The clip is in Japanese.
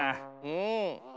うん。